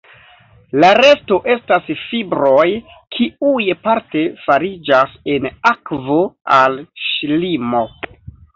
La resto estas fibroj, kiuj parte fariĝas en akvo al ŝlimo.